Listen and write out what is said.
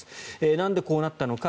なんでこうなったのか。